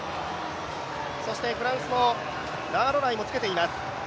そしてフランスのラアロライも着いていきます。